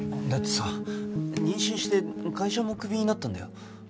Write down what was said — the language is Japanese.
だってさ妊娠して会社もクビになったんだよ。